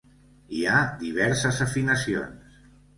Hi ha diverses afinacions.